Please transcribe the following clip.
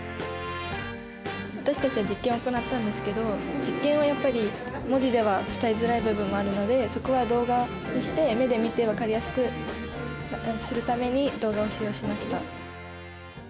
私たちは実験を行ったんですけど実験はやっぱり文字では伝えづらい部分もあるのでそこは動画にして目で見て分かりやすくするために動画を使用しました。